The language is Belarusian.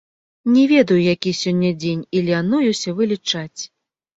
Не ведаю, які сёння дзень, і лянуюся вылічаць.